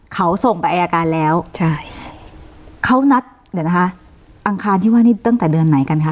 เขาส่งไปอายการแล้วใช่เขานัดเดี๋ยวนะคะอังคารที่ว่านี่ตั้งแต่เดือนไหนกันคะ